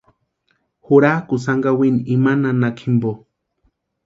Jurakʼuni sani kawini imani nanaka jimpo.